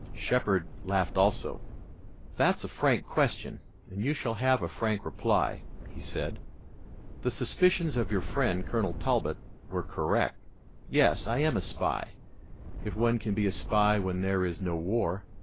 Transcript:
Shepard laughed also. "That's a frank question and you shall have a frank reply," he said. "The suspicions of your friend, Colonel Talbot, were correct. Yes, I am a spy, if one can be a spy when there is no war.